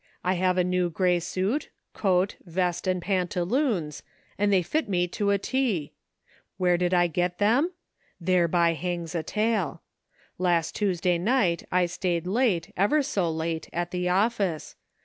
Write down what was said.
I have a new gray suit, coat, vest and pantaloons, and they fit me to a T. Where did I get them? GREAT QUESTIONS SETTLED. 303 Thereby hangs a tale. Last Tuesday night I staid late, ever so late, at the office.